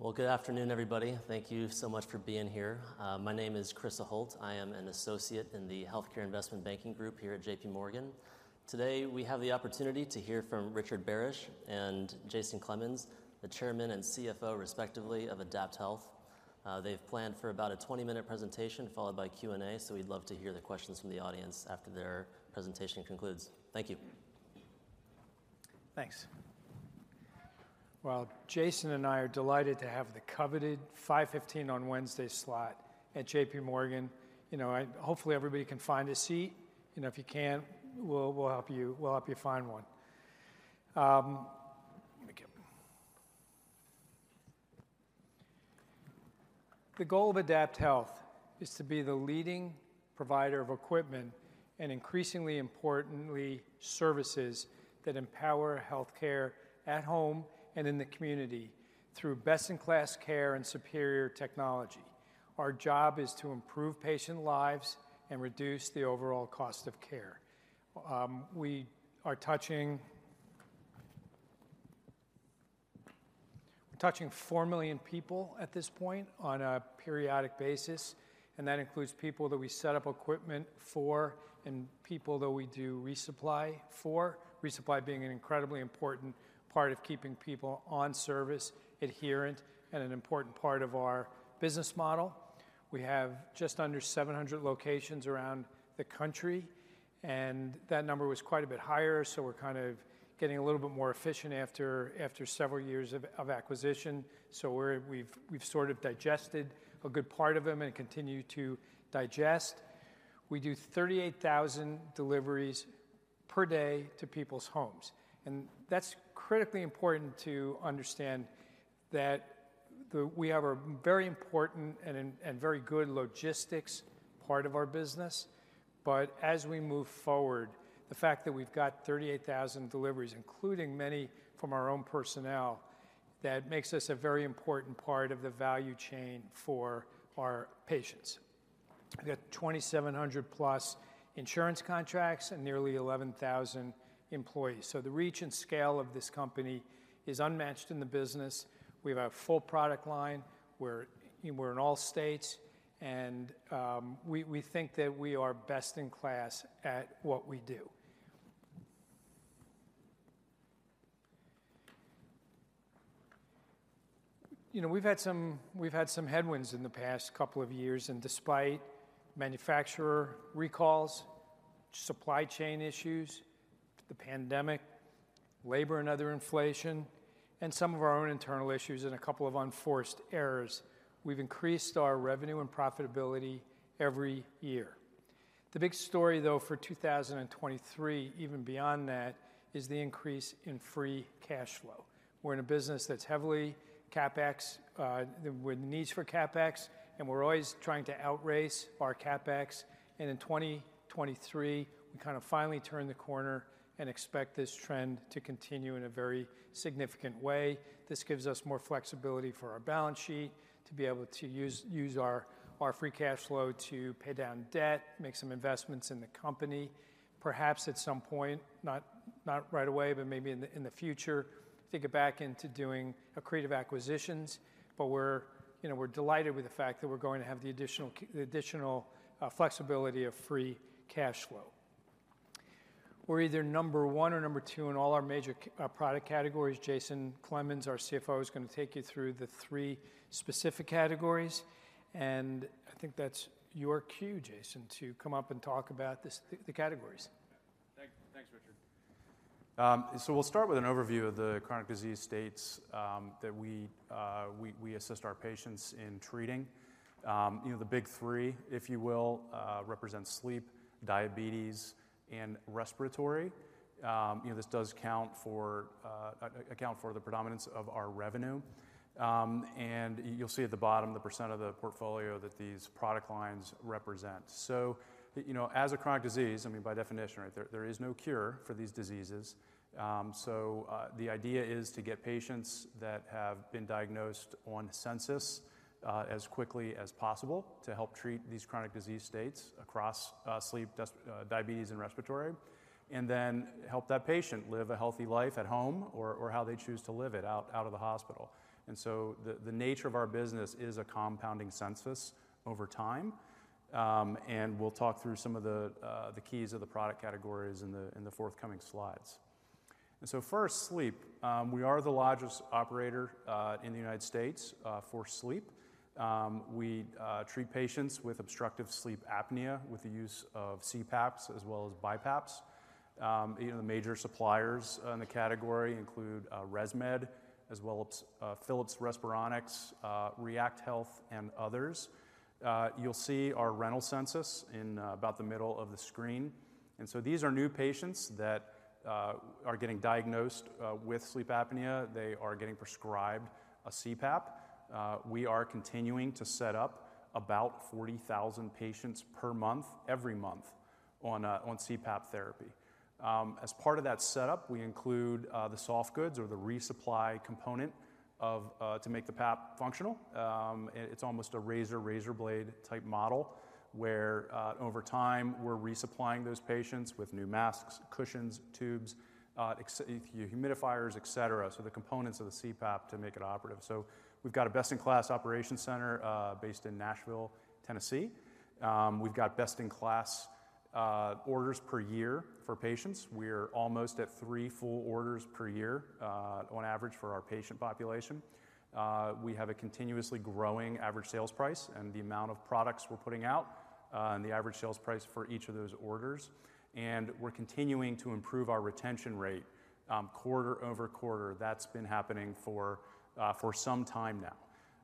Well, good afternoon, everybody. Thank you so much for being here. My name is Chris Schott. I am an associate in the Healthcare Investment Banking group here at JPMorgan. Today, we have the opportunity to hear from Richard Barasch and Jason Clemens, the Chairman and CFO respectively, of AdaptHealth. They've planned for about a 20-minute presentation, followed by Q&A, so we'd love to hear the questions from the audience after their presentation concludes. Thank you. Thanks. Well, Jason and I are delighted to have the coveted 5:15 PM on Wednesday slot at JPMorgan. You know, and hopefully everybody can find a seat. You know, if you can't, we'll help you find one. The goal of AdaptHealth is to be the leading provider of equipment and, increasingly importantly, services that empower healthcare-at-home and in the community through best-in-class care and superior technology. Our job is to improve patient lives and reduce the overall cost of care. We're touching 4 million people at this point on a periodic basis, and that includes people that we set up equipment for and people that we do resupply for. Resupply being an incredibly important part of keeping people on service, adherent, and an important part of our business model. We have just under 700 locations around the country, and that number was quite a bit higher, so we're kind of getting a little bit more efficient after several years of acquisition. So we've sort of digested a good part of them and continue to digest. We do 38,000 deliveries per day to people's homes, and that's critically important to understand that the—we have a very important and very good logistics part of our business. But as we move forward, the fact that we've got 38,000 deliveries, including many from our own personnel, that makes us a very important part of the value chain for our patients. We've got 2,700+ insurance contracts and nearly 11,000 employees, so the reach and scale of this company is unmatched in the business. We have a full product line, we're in all states, and we think that we are best-in-class at what we do. You know, we've had some headwinds in the past couple of years, and despite manufacturer recalls, supply chain issues, the pandemic, labor and other inflation, and some of our own internal issues and a couple of unforced errors, we've increased our revenue and profitability every year. The big story, though, for 2023, even beyond that, is the increase in Free Cash Flow. We're in a business that's heavily CapEx with needs for CapEx, and we're always trying to outrace our CapEx. In 2023, we kind of finally turned the corner and expect this trend to continue in a very significant way. This gives us more flexibility for our balance sheet to be able to use our free cash flow to pay down debt, make some investments in the company. Perhaps at some point, not right away, but maybe in the future, to get back into doing accretive acquisitions. But we're, you know, we're delighted with the fact that we're going to have the additional flexibility of free cash flow. We're either number one or number two in all our major product categories. Jason Clemens, our CFO, is going to take you through the three specific categories, and I think that's your cue, Jason, to come up and talk about the categories. Thanks, Richard. So we'll start with an overview of the chronic disease states that we assist our patients in treating. You know, the big three, if you will, represents sleep, diabetes, and respiratory. You know, this does account for the predominance of our revenue. And you'll see at the bottom, the percent of the portfolio that these product lines represent. So, you know, as a chronic disease, I mean, by definition, right, there is no cure for these diseases. So, the idea is to get patients that have been diagnosed on census as quickly as possible to help treat these chronic disease states across sleep, diabetes, and respiratory, and then help that patient live a healthy life at home or how they choose to live it out of the hospital. The nature of our business is a compounding census over time. We'll talk through some of the keys of the product categories in the forthcoming slides. First, sleep. We are the largest operator in the United States for sleep. We treat patients with obstructive sleep apnea with the use of CPAPs as well as BiPAPs. You know, the major suppliers in the category include ResMed, as well as Philips Respironics, React Health, and others. You'll see our rental census in about the middle of the screen. So these are new patients that are getting diagnosed with sleep apnea. They are getting prescribed a CPAP. We are continuing to set up about 40,000 patients per month, every month on CPAP therapy. As part of that setup, we include the soft goods or the resupply component to make the PAP functional. And it's almost a razor-blade type model, where over time, we're resupplying those patients with new masks, cushions, tubes, humidifiers, et cetera. So the components of the CPAP to make it operative. So we've got a best-in-class operations center, based in Nashville, Tennessee. We've got best-in-class orders per year for patients. We're almost at three full orders per year, on average, for our patient population. We have a continuously growing average sales price and the amount of products we're putting out, and the average sales price for each of those orders. And we're continuing to improve our retention rate, quarter-over-quarter. That's been happening for some time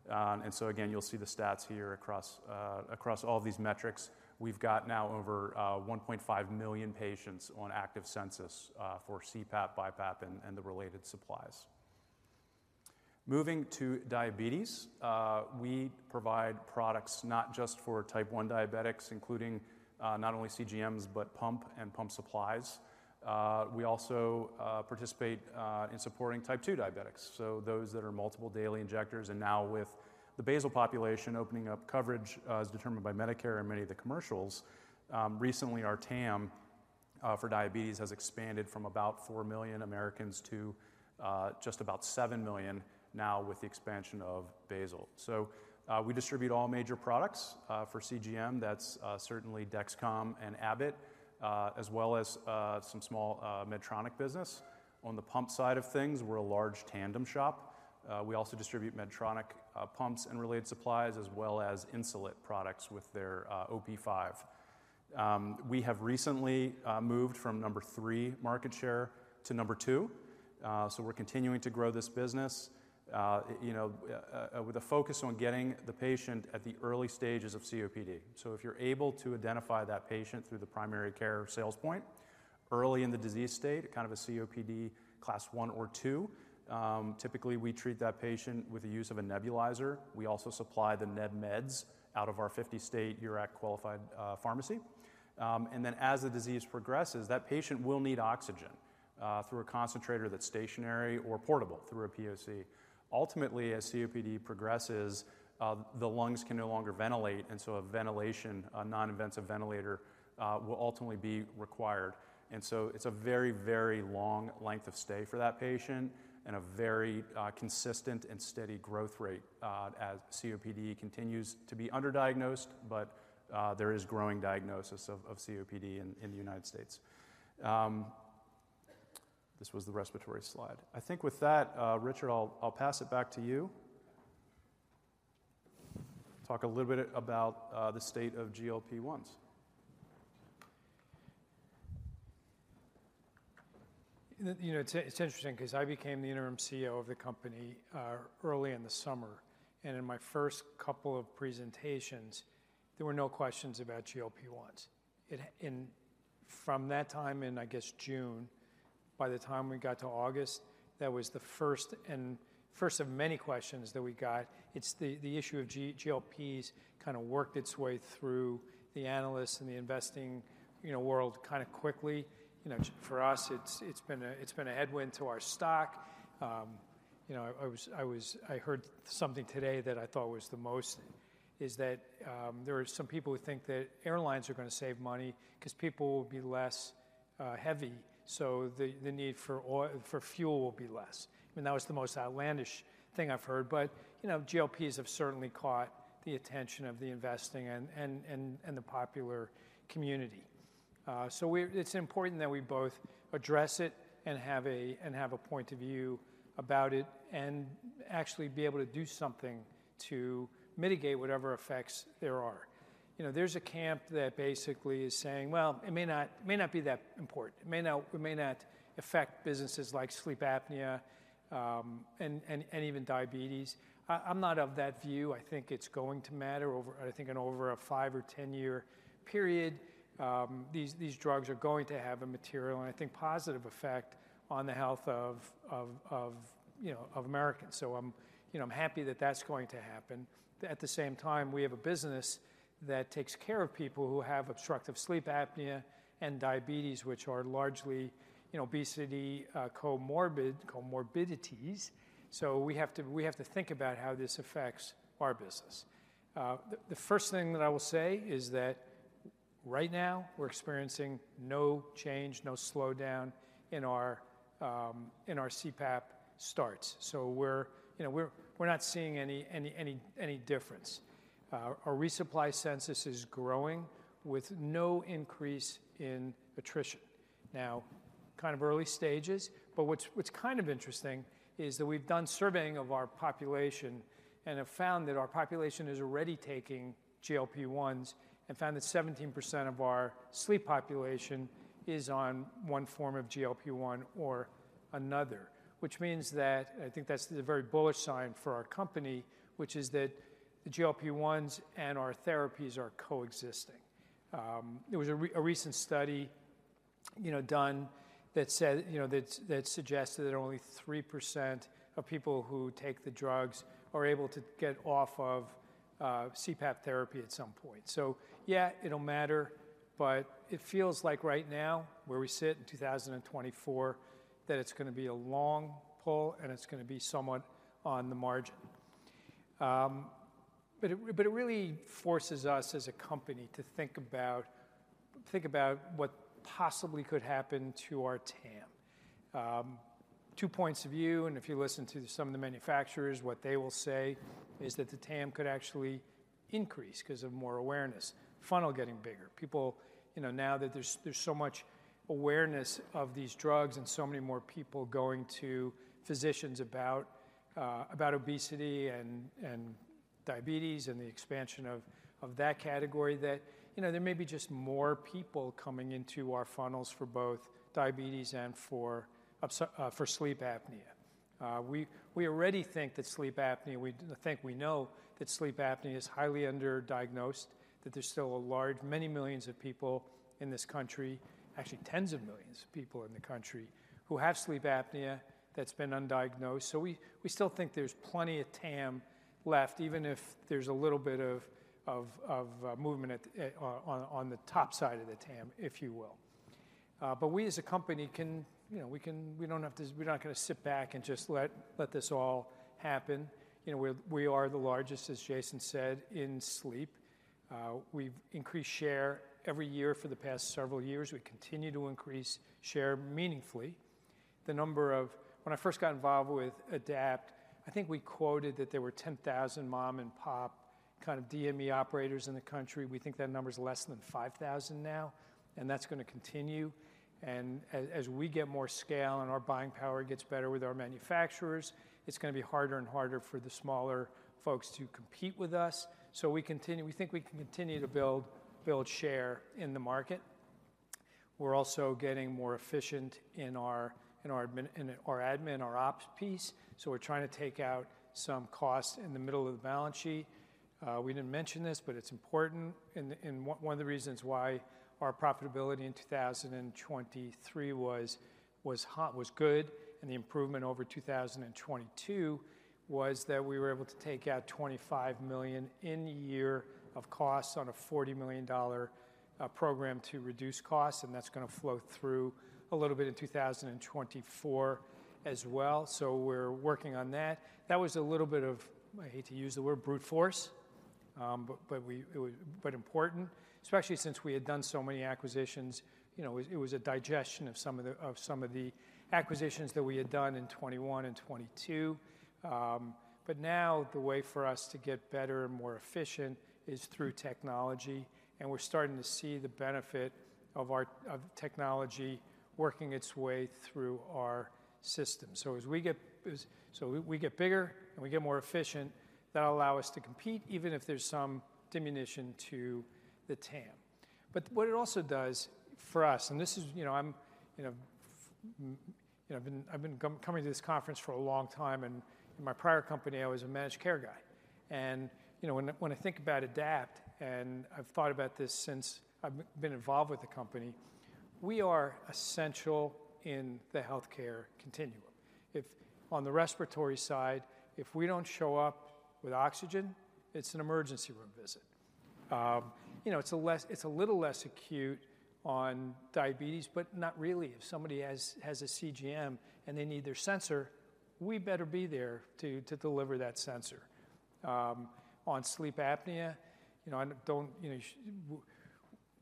now. And so again, you'll see the stats here across all these metrics. We've got now over 1.5 million patients on active census, for CPAP, BiPAP, and the related supplies. Moving to diabetes, we provide products not just for Type 1 diabetics, including not only CGMs, but pump and pump supplies. We also participate in supporting Type 2 diabetics, so those that are multiple daily injectors. And now with the basal population opening up coverage, as determined by Medicare and many of the commercials, recently our TAM for diabetes has expanded from about 4 million Americans to just about 7 million now with the expansion of basal. So we distribute all major products. For CGM, that's certainly Dexcom and Abbott, as well as some small Medtronic business. On the pump side of things, we're a large Tandem shop. We also distribute Medtronic pumps and related supplies, as well as Insulet products with their OP5. We have recently moved from number three market share to number two. So we're continuing to grow this business, you know, with a focus on getting the patient at the early stages of COPD. So if you're able to identify that patient through the primary care sales point early in the disease state, kind of a COPD Class I or II, typically we treat that patient with the use of a nebulizer. We also supply the nebs meds out of our 50-state URAC-qualified pharmacy. And then as the disease progresses, that patient will need oxygen through a concentrator that's stationary or portable, through a POC. Ultimately, as COPD progresses, the lungs can no longer ventilate, and so a ventilation, a non-invasive ventilator, will ultimately be required. And so it's a very, very long length of stay for that patient and a very, consistent and steady growth rate, as COPD continues to be underdiagnosed, but, there is growing diagnosis of COPD in the United States. This was the respiratory slide. I think with that, Richard, I'll pass it back to you. Talk a little bit about the state of GLP-1s. You know, it's interesting 'cause I became the Interim CEO of the company early in the summer, and in my first couple of presentations, there were no questions about GLP-1s. And from that time in, I guess, June, by the time we got to August, that was the first and first of many questions that we got. It's the issue of GLP-1s kind of worked its way through the analysts and the investing, you know, world kind of quickly. You know, for us, it's been a headwind to our stock. You know, I was, I was... I heard something today that I thought was the most is that there are some people who think that airlines are gonna save money 'cause people will be less heavy, so the need for oil, for fuel will be less. And that was the most outlandish thing I've heard. But, you know, GLPs have certainly caught the attention of the investing and the popular community. So it's important that we both address it and have a point of view about it, and actually be able to do something to mitigate whatever effects there are. You know, there's a camp that basically is saying, "Well, it may not be that important. It may not affect businesses like sleep apnea, and even diabetes." I'm not of that view. I think it's going to matter, I think, over a 5- or 10-year period. These drugs are going to have a material and, I think, positive effect on the health of, you know, of Americans. So I'm, you know, happy that that's going to happen. At the same time, we have a business that takes care of people who have obstructive sleep apnea and diabetes, which are largely, you know, obesity comorbidities. So we have to think about how this affects our business. The first thing that I will say is that right now we're experiencing no change, no slowdown in our CPAP starts. So we're, you know, not seeing any difference. Our resupply census is growing with no increase in attrition. Now, kind of early stages, but what's kind of interesting is that we've done surveying of our population and have found that our population is already taking GLP-1s, and found that 17% of our sleep population is on one form of GLP-1 or another, which means that... I think that's a very bullish sign for our company, which is that the GLP-1s and our therapies are coexisting. There was a recent study, you know, done that said, you know, that suggests that only 3% of people who take the drugs are able to get off of CPAP therapy at some point. So yeah, it'll matter, but it feels like right now, where we sit in 2024, that it's gonna be a long pull, and it's gonna be somewhat on the margin. But it really forces us as a company to think about what possibly could happen to our TAM. Two points of view, and if you listen to some of the manufacturers, what they will say is that the TAM could actually increase 'cause of more awareness, funnel getting bigger. People, you know, now that there's so much awareness of these drugs and so many more people going to physicians about obesity and diabetes and the expansion of that category, that, you know, there may be just more people coming into our funnels for both diabetes and for ups- for sleep apnea. We already think that sleep apnea, I think we know that sleep apnea is highly underdiagnosed, that there's still a large... Many millions of people in this country, actually tens of millions of people in the country, who have sleep apnea that's been undiagnosed. So we still think there's plenty of TAM left, even if there's a little bit of of movement on the top side of the TAM, if you will. But we as a company can, you know, we can- we don't have to, we're not gonna sit back and just let this all happen. You know, we're we are the largest, as Jason said, in sleep. We've increased share every year for the past several years. We continue to increase share meaningfully. The number of... When I first got involved with Adapt, I think we quoted that there were 10,000 mom-and-pop kind of DME operators in the country. We think that number is less than 5,000 now, and that's gonna continue. As we get more scale and our buying power gets better with our manufacturers, it's gonna be harder and harder for the smaller folks to compete with us. So we continue. We think we can continue to build, build share in the market. We're also getting more efficient in our admin, our ops piece, so we're trying to take out some costs in the middle of the balance sheet. We didn't mention this, but it's important. One of the reasons why our profitability in 2023 was hot, was good, and the improvement over 2022, was that we were able to take out $25 million in the year of costs on a $40 million program to reduce costs, and that's gonna flow through a little bit in 2024 as well. So we're working on that. That was a little bit of. I hate to use the word brute force, but it was but important, especially since we had done so many acquisitions. You know, it was a digestion of some of the acquisitions that we had done in 2021 and 2022. But now, the way for us to get better and more efficient is through technology, and we're starting to see the benefit of our technology working its way through our system. So as we get bigger, and we get more efficient, that'll allow us to compete even if there's some diminution to the TAM. But what it also does for us, and this is, you know, I've been coming to this conference for a long time, and in my prior company, I was a managed care guy. And, you know, when I think about Adapt, and I've thought about this since I've been involved with the company, we are essential in the healthcare continuum. If on the respiratory side, if we don't show up with oxygen, it's an emergency room visit. You know, it's a little less acute on diabetes, but not really. If somebody has a CGM and they need their sensor, we better be there to deliver that sensor. On sleep apnea, you know, I don't, you know, when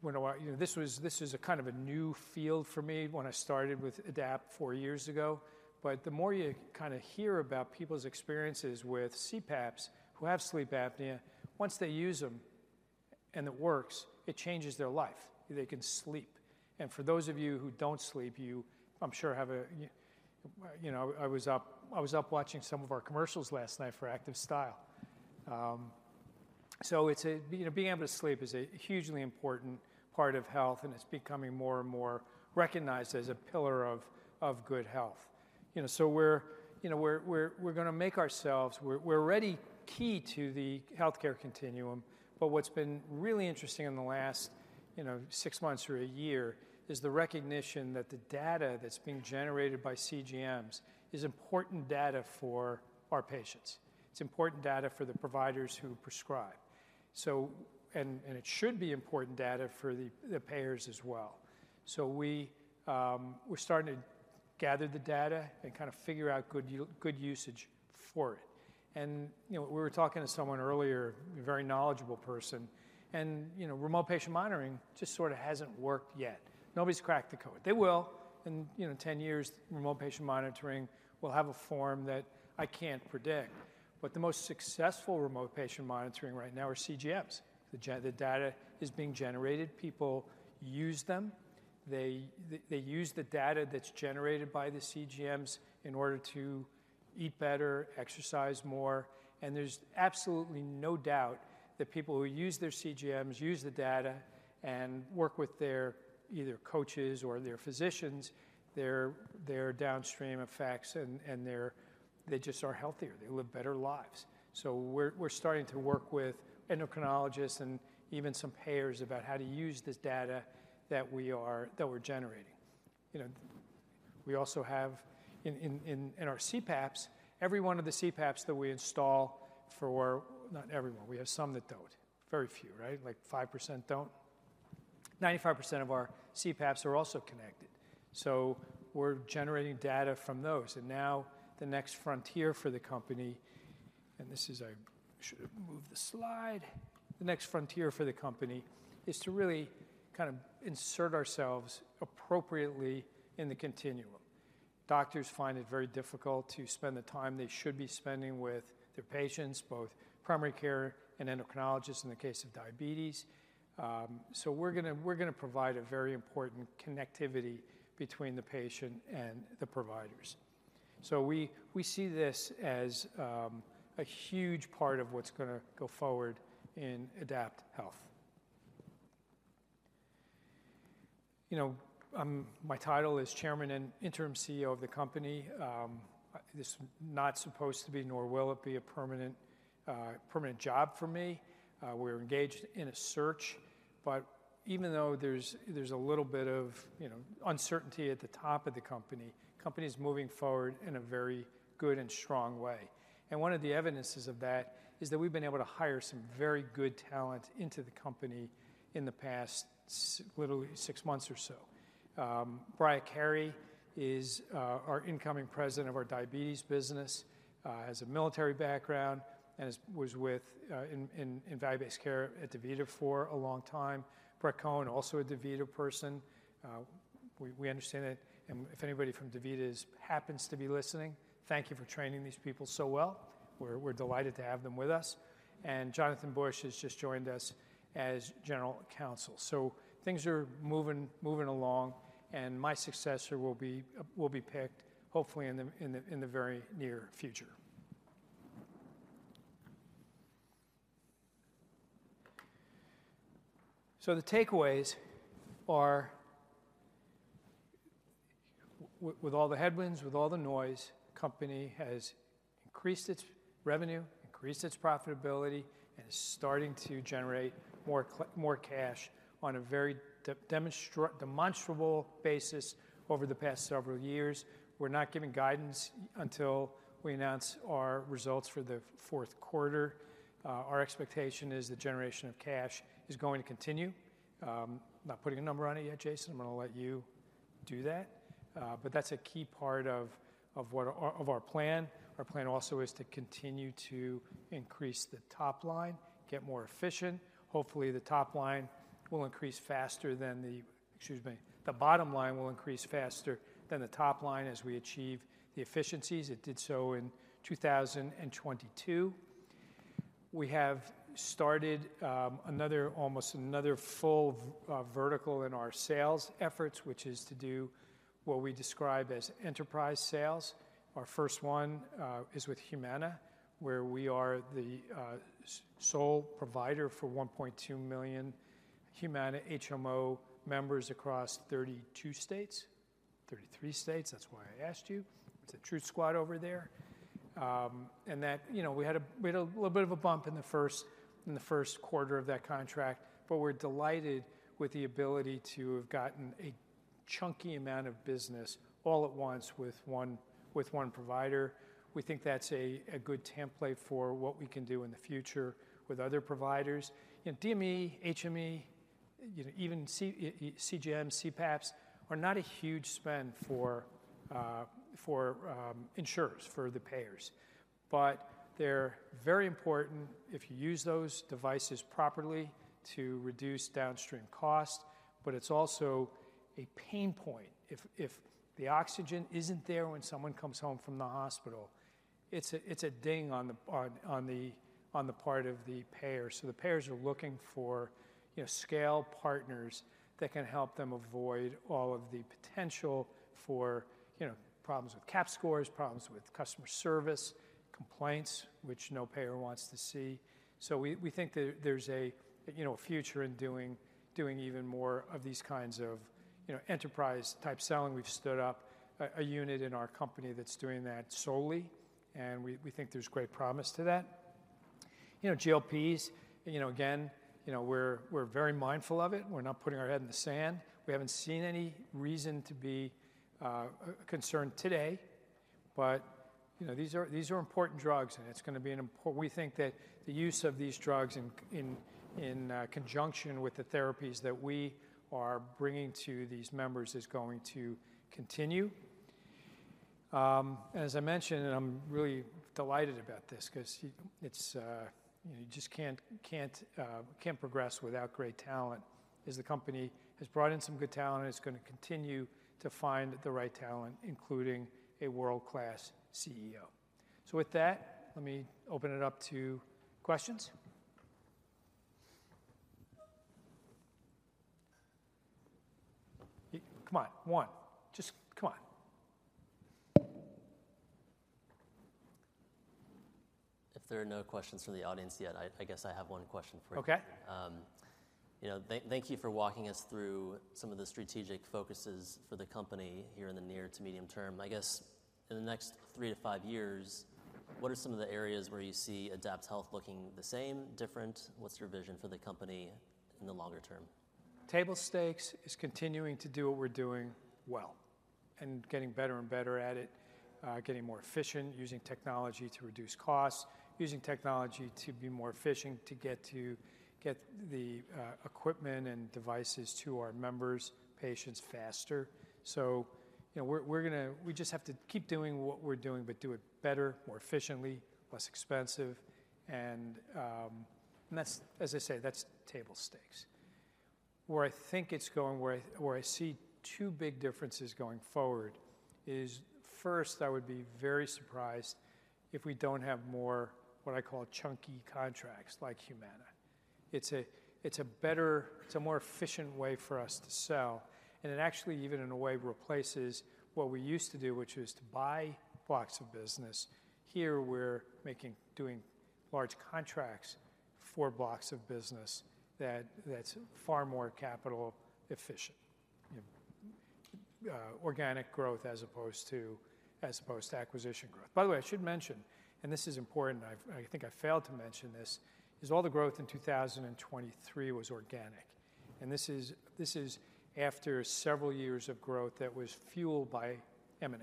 I... You know, this was, this is a kind of a new field for me when I started with Adapt four years ago, but the more you kinda hear about people's experiences with CPAPs, who have sleep apnea, once they use them and it works, it changes their life. They can sleep. And for those of you who don't sleep, you, I'm sure have a, you know, I was up watching some of our commercials last night for ActivStyle. So it's a, you know, being able to sleep is a hugely important part of health, and it's becoming more and more recognized as a pillar of good health. You know, so we're gonna make ourselves... We're already key to the healthcare continuum, but what's been really interesting in the last, you know, six months or a year, is the recognition that the data that's being generated by CGMs is important data for our patients. It's important data for the providers who prescribe. So, and it should be important data for the payers as well. So we're starting to gather the data and kind of figure out good usage for it. And, you know, we were talking to someone earlier, a very knowledgeable person, and, you know, remote patient monitoring just sort of hasn't worked yet. Nobody's cracked the code. They will. In, you know, 10 years, remote patient monitoring will have a form that I can't predict, but the most successful remote patient monitoring right now are CGMs. The data is being generated. People use them. They use the data that's generated by the CGMs in order to eat better, exercise more, and there's absolutely no doubt that people who use their CGMs, use the data, and work with their either coaches or their physicians, their downstream effects and they're just healthier. They live better lives. So we're starting to work with endocrinologists and even some payers about how to use this data that we're generating. You know-... We also have in our CPAPs, every one of the CPAPs that we install for, not every one, we have some that don't. Very few, right? Like, 5% don't. 95% of our CPAPs are also connected, so we're generating data from those. And now the next frontier for the company, and this is. I should have moved the slide. The next frontier for the company is to really kind of insert ourselves appropriately in the continuum. Doctors find it very difficult to spend the time they should be spending with their patients, both primary care and endocrinologists in the case of diabetes. So we're gonna provide a very important connectivity between the patient and the providers. So we see this as a huge part of what's gonna go forward in AdaptHealth. You know, my title is Chairman and Interim CEO of the company. This is not supposed to be, nor will it be a permanent job for me. We're engaged in a search, but even though there's a little bit of, you know, uncertainty at the top of the company, company is moving forward in a very good and strong way. And one of the evidences of that is that we've been able to hire some very good talent into the company in the past literally six months or so. Briah Carey is our incoming president of our diabetes business. Has a military background and was with in value-based care at DaVita for a long time. Brett Cohen, also a DaVita person. We understand that if anybody from DaVita happens to be listening, thank you for training these people so well. We're delighted to have them with us. Jonathan Bush has just joined us as General Counsel. So things are moving along, and my successor will be picked, hopefully in the very near future. So the takeaways are with all the headwinds, with all the noise, the company has increased its revenue, increased its profitability, and is starting to generate more cash on a very demonstrable basis over the past several years. We're not giving guidance until we announce our results for the fourth quarter. Our expectation is the generation of cash is going to continue. I'm not putting a number on it yet. Jason, I'm gonna let you do that. But that's a key part of what our plan. Our plan also is to continue to increase the top line, get more efficient. Hopefully, the bottom line will increase faster than the top line as we achieve the efficiencies. It did so in 2022. We have started another, almost another full vertical in our sales efforts, which is to do what we describe as enterprise sales. Our first one is with Humana, where we are the sole provider for 1.2 million Humana HMO members across 32 states. 33 states, that's why I asked you. It's a truth squad over there. And that, you know, we had a little bit of a bump in the first quarter of that contract, but we're delighted with the ability to have gotten a chunky amount of business all at once with one provider. We think that's a good template for what we can do in the future with other providers. And DME, HME, you know, even CGM, CPAPs are not a huge spend for insurers, for the payers. But they're very important if you use those devices properly to reduce downstream costs. But it's also a pain point. If the oxygen isn't there when someone comes home from the hospital, it's a ding on the part of the payer. So the payers are looking for, you know, scale partners that can help them avoid all of the potential for, you know, problems with CAHPS scores, problems with customer service, complaints, which no payer wants to see. So we, we think there, there's a, you know, future in doing, doing even more of these kinds of, you know, enterprise-type selling. We've stood up a, a unit in our company that's doing that solely, and we, we think there's great promise to that. You know, GLPs, you know, again, you know, we're, we're very mindful of it. We're not putting our head in the sand. We haven't seen any reason to be concerned today. But, you know, these are, these are important drugs, and We think that the use of these drugs in conjunction with the therapies that we are bringing to these members is going to continue. As I mentioned, and I'm really delighted about this, 'cause it, it's, you know, you just can't progress without great talent, is the company has brought in some good talent and is gonna continue to find the right talent, including a world-class CEO. So with that, let me open it up to questions. Come on, one. Just come on. If there are no questions from the audience yet, I guess I have one question for you. Okay. You know, thank you for walking us through some of the strategic focuses for the company here in the near to medium term. I guess in the next three to five years... What are some of the areas where you see AdaptHealth looking the same, different? What's your vision for the company in the longer term? Table stakes is continuing to do what we're doing well and getting better and better at it, getting more efficient, using technology to reduce costs, using technology to be more efficient, to get the equipment and devices to our members, patients faster. So, you know, we just have to keep doing what we're doing, but do it better, more efficiently, less expensive. And, and that's, as I say, that's table stakes. Where I think it's going, where I see two big differences going forward is, first, I would be very surprised if we don't have more, what I call, chunky contracts like Humana. It's a better... It's a more efficient way for us to sell, and it actually, even in a way, replaces what we used to do, which is to buy blocks of business. Here, we're making doing large contracts for blocks of business. That's far more capital efficient. Organic growth as opposed to acquisition growth. By the way, I should mention, and this is important. I think I failed to mention this: all the growth in 2023 was organic, and this is after several years of growth that was fueled by M&A.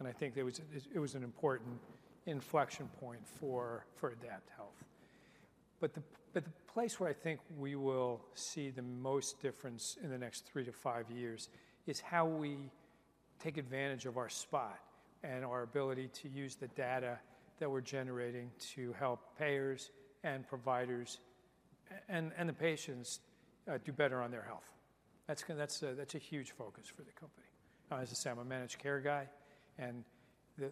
And I think it was an important inflection point for AdaptHealth. But the place where I think we will see the most difference in the next three to five years is how we take advantage of our spot and our ability to use the data that we're generating to help payers and providers and the patients do better on their health. That's a, that's a huge focus for the company. As I say, I'm a managed care guy, and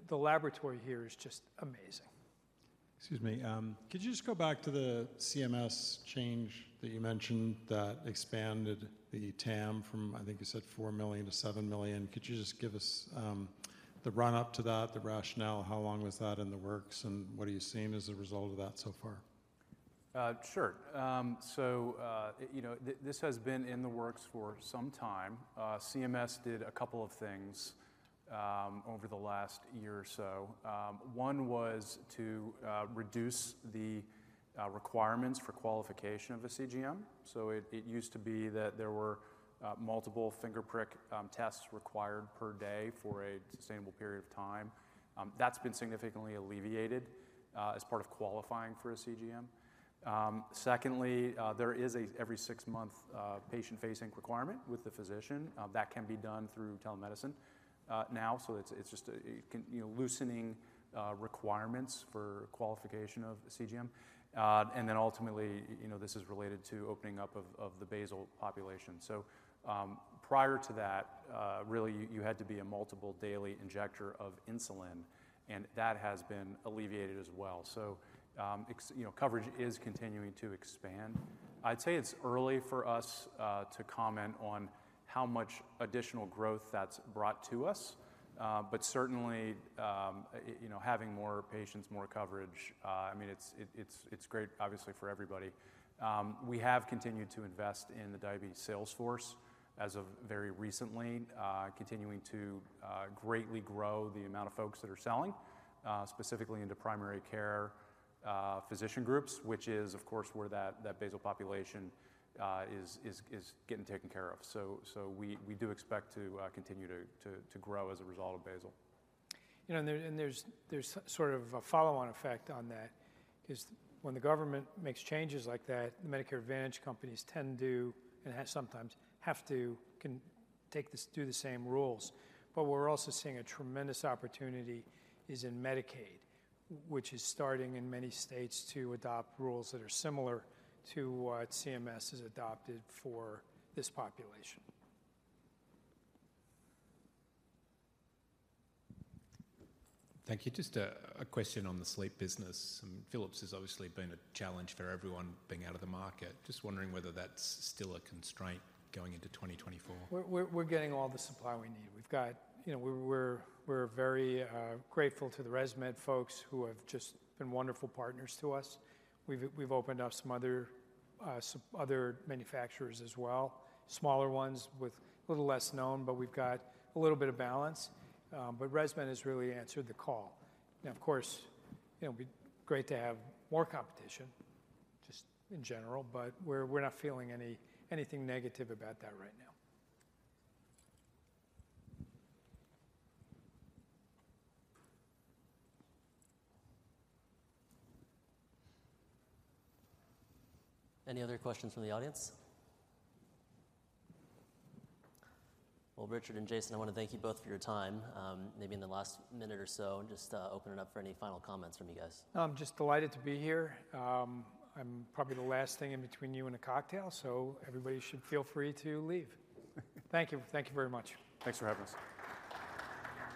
the laboratory here is just amazing. Excuse me. Could you just go back to the CMS change that you mentioned that expanded the TAM from, I think you said, 4 million-7 million? Could you just give us the run-up to that, the rationale, how long was that in the works, and what are you seeing as a result of that so far? Sure. So, you know, this has been in the works for some time. CMS did a couple of things over the last year or so. One was to reduce the requirements for qualification of a CGM. So it used to be that there were multiple finger prick tests required per day for a sustainable period of time. That's been significantly alleviated as part of qualifying for a CGM. Secondly, there is a every six month patient-facing requirement with the physician that can be done through telemedicine now. So it's just a, it can, you know, loosening requirements for qualification of CGM. And then ultimately, you know, this is related to opening up of the basal population. So, prior to that, really you had to be a multiple daily injector of insulin, and that has been alleviated as well. You know, coverage is continuing to expand. I'd say it's early for us to comment on how much additional growth that's brought to us. But certainly, you know, having more patients, more coverage, I mean, it's great obviously, for everybody. We have continued to invest in the diabetes sales force as of very recently, continuing to greatly grow the amount of folks that are selling, specifically into primary care physician groups, which is of course, where that basal population is getting taken care of. We do expect to continue to grow as a result of basal. You know, and there's sort of a follow-on effect on that. 'Cause when the government makes changes like that, the Medicare Advantage companies tend to, and sometimes have to, do the same rules. But we're also seeing a tremendous opportunity is in Medicaid, which is starting in many states to adopt rules that are similar to what CMS has adopted for this population. Thank you. Just a question on the sleep business. Philips has obviously been a challenge for everyone being out of the market. Just wondering whether that's still a constraint going into 2024. We're getting all the supply we need. We've got... You know, we're very grateful to the ResMed folks, who have just been wonderful partners to us. We've opened up some other manufacturers as well, smaller ones with a little less known, but we've got a little bit of balance. But ResMed has really answered the call. And of course, it'll be great to have more competition, just in general, but we're not feeling anything negative about that right now. Any other questions from the audience? Well, Richard and Jason, I wanna thank you both for your time. Maybe in the last minute or so, just, open it up for any final comments from you guys. I'm just delighted to be here. I'm probably the last thing in between you and a cocktail, so everybody should feel free to leave. Thank you. Thank you very much. Thanks for having us.